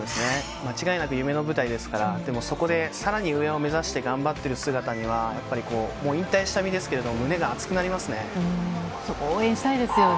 間違いなく夢の舞台ですから、でもそこでさらに上を目指して頑張ってる姿には、やっぱり、もう引退した身ですけれども、そこ、応援したいですよね。